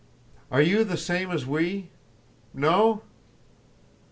Are you the same as we? No?"